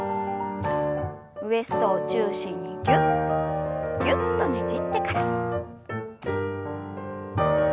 ウエストを中心にギュッギュッとねじってから。